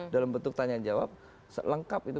dalam bentuk tanya jawab lengkap itu